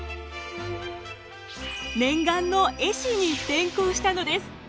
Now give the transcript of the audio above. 念願の絵師に転向したのです。